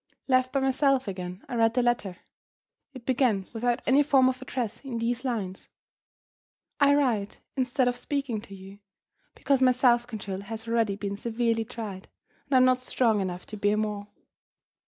Left by myself again, I read the letter. It began, without any form of address, in these lines: "I write, instead of speaking to you, because my self control has already been severely tried, and I am not strong enough to bear more.